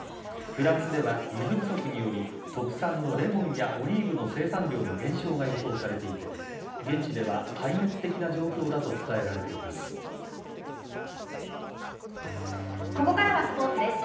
フランスでは、水不足により特産のレモンやオリーブの生産量の減少が予想されていて現地では、壊滅的な状況だとここからはスポーツです。